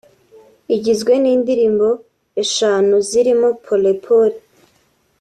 igizwe n’indirimbo eshanu zirimo ‘Pole Pole’